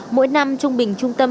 mỗi năm trung bình trung tâm